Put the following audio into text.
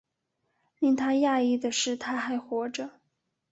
令他讶异的是她还活着